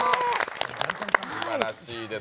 すばらしいです。